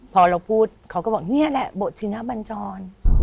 พอเราพูดเขาก็บอกเนี่ยแหละบทชิงภาพบรรจร